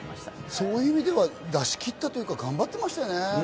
そういう意味で出し切ったというか、頑張っていましたよね。